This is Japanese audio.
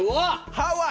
ハワイ！